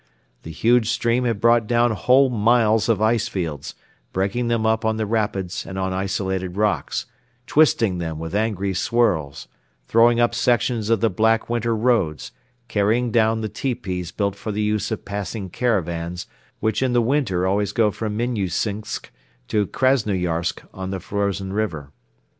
The huge stream had brought down whole miles of ice fields, breaking them up on the rapids and on isolated rocks, twisting them with angry swirls, throwing up sections of the black winter roads, carrying down the tepees built for the use of passing caravans which in the Winter always go from Minnusinsk to Krasnoyarsk on the frozen river.